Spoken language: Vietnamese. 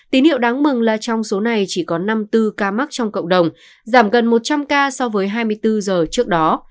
tín hiệu đáng mừng là trong số này chỉ có năm mươi bốn ca mắc trong cộng đồng giảm gần một trăm linh ca so với hai mươi bốn giờ trước đó